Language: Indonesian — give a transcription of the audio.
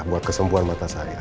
buat kesembuhan mata saya